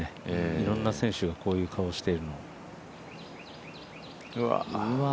いろんな選手がこういう顔をしているのを。